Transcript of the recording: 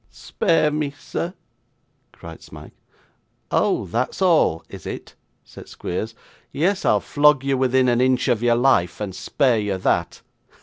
'Spare me, sir!' cried Smike. 'Oh! that's all, is it?' said Squeers. 'Yes, I'll flog you within an inch of your life, and spare you that.